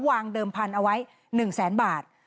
เดิมพันธุ์เอาไว้๑แสนบาท